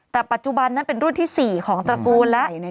แต่ปัจจุบันนั้นเป็นรุ่นที่๔ของตระกูลแล้ว